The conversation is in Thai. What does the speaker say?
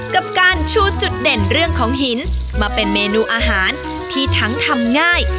กับการชูจุดเด่นเรื่องของหินมาเป็นเมนูอาหารที่ทั้งทำง่าย